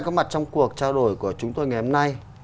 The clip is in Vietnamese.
có mặt trong cuộc trao đổi của chúng tôi ngày hôm nay